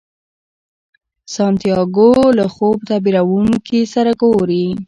سانتیاګو له خوب تعبیرونکي سره ګوري.